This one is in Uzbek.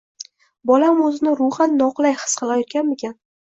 “Bolam o‘zini ruhan noqulay his qilmayotganmikin?”